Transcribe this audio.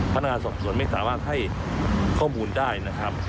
พนักงานสอบสวนไม่สามารถให้ข้อมูลได้นะครับ